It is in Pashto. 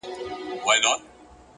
او مملکت جوړ کړی دی